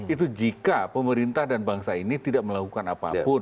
itu jika pemerintah dan bangsa ini tidak melakukan apapun